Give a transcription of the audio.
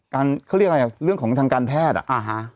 เขาเรียกอะไรเรื่องของทางการแพทย์